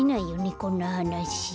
こんなはなし。